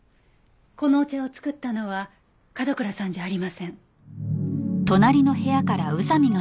このお茶を作ったのは角倉さんじゃありません。